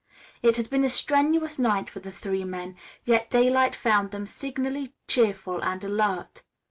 It had been a strenuous night for the three men, yet daylight found them signally cheerful and alert.